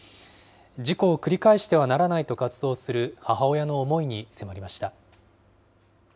事故を繰り返してはならないと活動する母親の思いに迫りました。